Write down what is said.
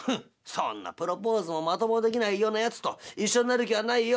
そんなプロポーズもまともにできないようなやつと一緒になる気はないよ。